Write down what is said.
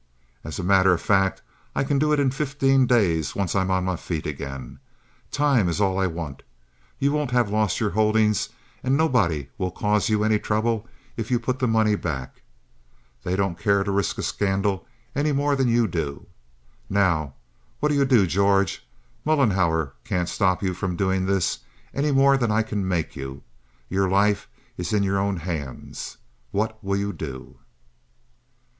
As a matter of fact, I can do it in fifteen days once I am on my feet again. Time is all I want. You won't have lost your holdings and nobody will cause you any trouble if you put the money back. They don't care to risk a scandal any more than you do. Now what'll you do, George? Mollenhauer can't stop you from doing this any more than I can make you. Your life is in your own hands. What will you do?"